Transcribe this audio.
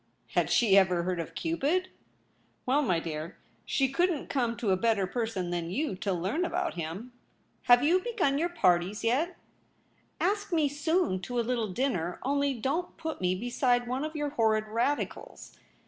'' Had she ever heard of Cupid ?'' Well, my dear, she couldn't come to a better person than you to learn about him. 2 — 2 20 THE REBEL ROSE. Have you begun your parties yet ? Ask me soon to a little dinner, only don't put me beside one of your horrid Radicals.